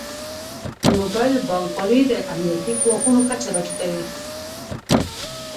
د موبایل بانکوالي د امنیتي ګواښونو کچه راټیټوي.